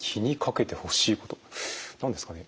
何ですかね